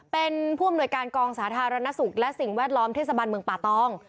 เป็นผู้อำนวยการกองสาธารณสุขและสิ่งแวดล้อมเทศบาลเมืองป่าตอง